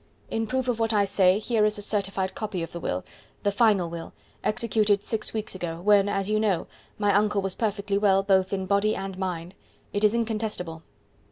"In proof of what I say, here is a certified copy of the will the final will executed six weeks ago, when, as you know, my uncle was perfectly well both in body and mind. It is incontestable."